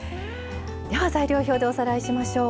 材料表でおさらいしましょう。